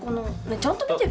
ちゃんと見てる？